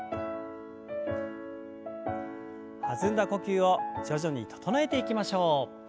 弾んだ呼吸を徐々に整えていきましょう。